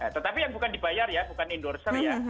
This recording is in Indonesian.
tetapi yang bukan dibayar ya bukan endorser ya